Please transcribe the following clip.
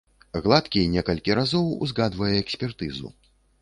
Гладкі некалькі разоў узгадвае экспертызу.